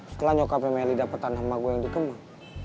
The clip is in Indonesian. setelah nyokapnya meli dapet tanah emak gue yang dikeman